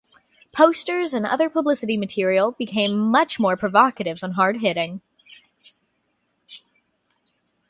Posters and other publicity material became much more provocative and hard-hitting.